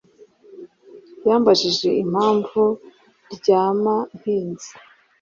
Yambajije impamvu ryama ntinze